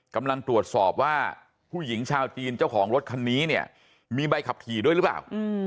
กำลังตรวจสอบว่าผู้หญิงชาวจีนเจ้าของรถคันนี้เนี่ยมีใบขับขี่ด้วยหรือเปล่า